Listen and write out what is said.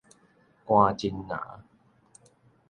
菅蓁林